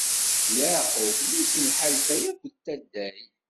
D Yeɛqub, mmi-s n Ḥalfay akked Taday.